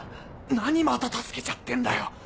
何また助けちゃってんだよ